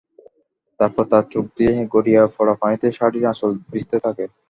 তারপর তাঁর চোখ দিয়ে গড়িয়ে পড়া পানিতে শাড়ির আঁচল ভিজতে থাকে।